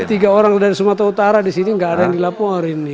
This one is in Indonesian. kita tiga orang dari sumatera utara disini gak ada yang dilaporin